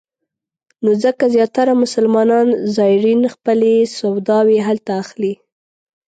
نو ځکه زیاتره مسلمان زایرین خپلې سوداوې هلته اخلي.